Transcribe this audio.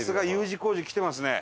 Ｕ字工事来てますね。